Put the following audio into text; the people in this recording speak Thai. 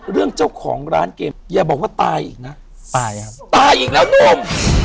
เรื่องเจ้าของร้านเกมอย่าบอกว่าตายอีกนะตายครับตายอีกแล้วนุ่ม